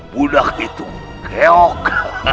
budak itu geok